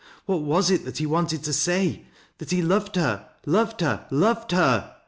What was it that he wanted to say, — That he bved her, — loved her, — loved her !